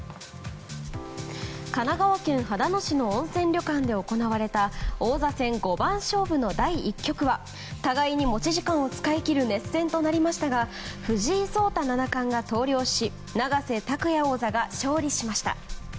神奈川県秦野市の温泉旅館で行われた王座戦五番勝負の第１局は互いに持ち時間を使い切る熱戦となりましたが藤井聡太七冠が投了し永瀬拓矢王座が勝利しました。